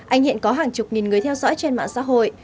anh hiện có hàng chục nghìn người theo dõi trên mạng xã hội